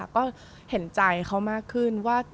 ก็เห็นใจเขามากขึ้นว่า